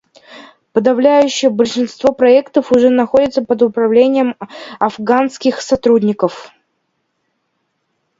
Подавляющее большинство проектов уже находится под управлением афганских сотрудников.